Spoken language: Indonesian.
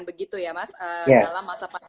dalam masa panjang